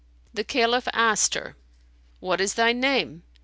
The Caliph asked her, "What is thy name?"